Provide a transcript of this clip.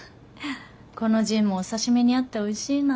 このジンもお刺身に合っておいしいな。